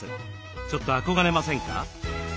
ちょっと憧れませんか？